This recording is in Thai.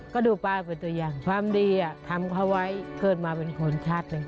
ก็ดูป้าเป็นตัวอย่างความดีทำเขาไว้เกิดมาเป็นคนชาติเลย